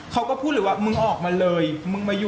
เขาก็พูดเลยว่ามึงออกมาเลย